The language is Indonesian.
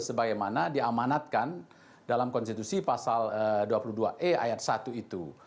sebagaimana diamanatkan dalam konstitusi pasal dua puluh dua e ayat satu itu